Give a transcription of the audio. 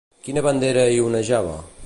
Quina bandera hi onejava?